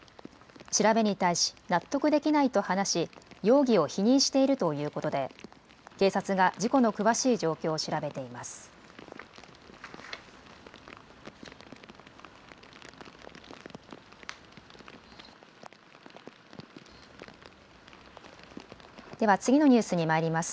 調べに対し納得できないと話し容疑を否認しているということで警察が事故の詳しい状況を調べています。